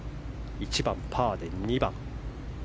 １番パーで、２番。